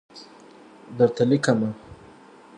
درته لیکمه